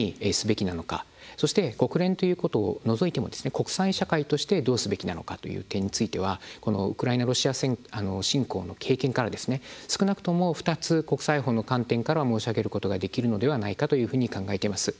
そして国連ということを除いても国際社会としてどうすべきなのかという点についてはウクライナロシア侵攻の経験から少なくとも２つ国際法の観点から申し上げることができるのではないかというふうに考えています。